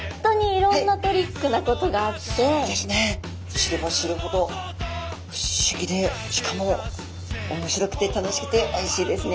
知れば知るほど不思議でしかも面白くて楽しくておいしいですね。